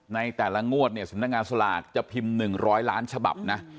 ในแต่ละงวดเนี่ยสำนักงานศรลาฐจะพิมพ์หนึ่งร้อยล้านฉบับนะ